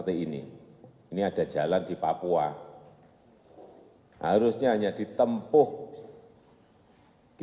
oke ini biar dicatat pak